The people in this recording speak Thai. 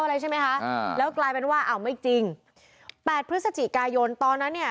อะไรใช่ไหมคะอ่าแล้วกลายเป็นว่าอ้าวไม่จริงแปดพฤศจิกายนตอนนั้นเนี่ย